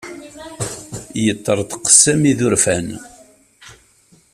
Yeṭṭerḍeq Sami d urfan.